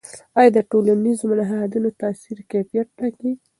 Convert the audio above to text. آیا د ټولنیزو نهادونو تاثیر کیفیت ټاکي؟